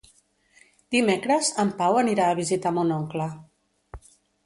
Dimecres en Pau anirà a visitar mon oncle.